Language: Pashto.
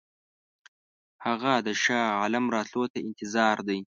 هغه د شاه عالم راتلو ته انتظار دی.